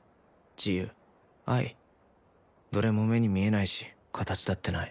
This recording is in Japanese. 自由愛どれも目に見えないし形だってない